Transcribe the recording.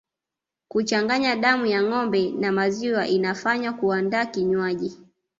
Kuchanganya damu ya ngombe na maziwa inafanywa kuandaa kinywaji